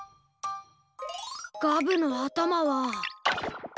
ガブのあたまは。